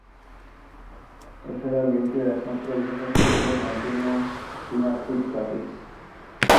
এ ছাড়া গেমটির একমাত্র বিশেষত্ব ছিল সম্পূর্ণ ত্রিমাত্রিক গ্রাফিক্স।